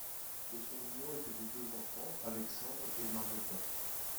De son union était né deux enfants, Alexandre et Mariota.